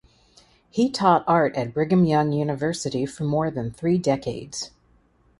He taught art at Brigham Young University for more than three decades.